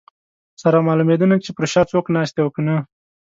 سره معلومېده نه چې پر شا څوک ناست دي او که نه.